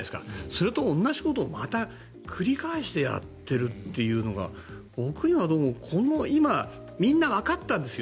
それと同じことをまた繰り返してやっているというのが僕はどうも今みんなわかったんですよ。